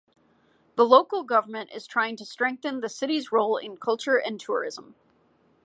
The local government is trying to strengthen the city's role in culture and tourism.